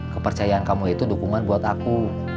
kepercayaan kamu itu dukungan buat aku